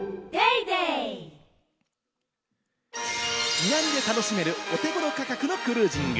日帰りで楽しめる、お手ごろ価格のクルージング。